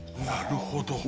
なるほど。